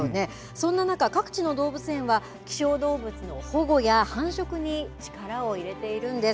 そんな中、各地の動物園は希少動物の保護や繁殖に力を入れているんです。